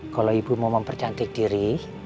kalau ibu mau mempercantik diri